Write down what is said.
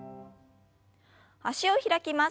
脚を開きます。